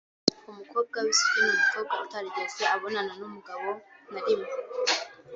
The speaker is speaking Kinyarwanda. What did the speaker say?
Umukobwa w’isugi ni umukobwa utarigeze abonana n’umugabo na rimwe